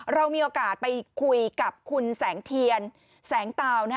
เรามีโอกาสไปคุยกับคุณแสงเทียนแสงเตา